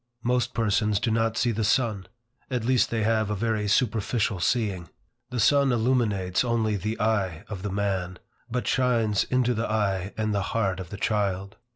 Most persons do not see the sun. At least they have a very superficial seeing. The sun illuminates only the eye of the man, but shines into the eye and the heart of the child.